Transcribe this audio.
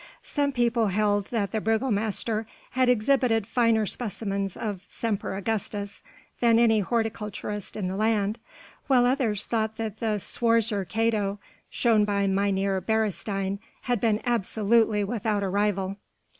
Some people held that the Burgomaster had exhibited finer specimens of "Semper Augustus" than any horticulturist in the land, while others thought that the "Schwarzer Kato" shown by Mynheer Beresteyn had been absolutely without a rival.